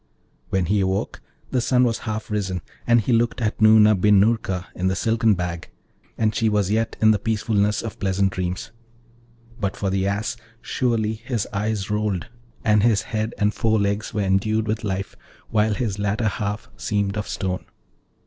When he awoke the sun was half risen, and he looked at Noorna bin Noorka in the silken bag, and she was yet in the peacefulness of pleasant dreams; but for the Ass, surely his eyes rolled, and his head and fore legs were endued with life, while his latter half seemed of stone.